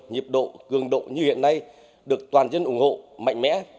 nhiệp độ cường độ như hiện nay được toàn dân ủng hộ mạnh mẽ